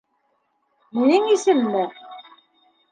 — Минең исемме?